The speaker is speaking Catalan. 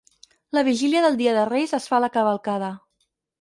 La vigília del dia de Reis es fa la cavalcada.